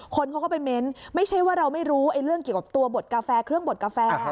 คนเขาก็ไปเม้นไม่ใช่ว่าเราไม่รู้เรื่องเกี่ยวกับตัวบดกาแฟเครื่องบดกาแฟ